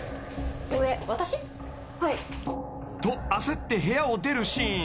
［と焦って部屋を出るシーン］